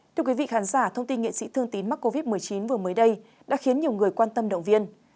thưa quý vị khán giả thông tin nghệ sĩ thương tín mắc covid một mươi chín vừa mới đây đã khiến nhiều người quan tâm động viên